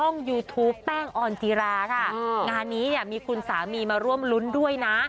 งานนี้มีคุณสามีมาร่วมรุ้นด้วยนะ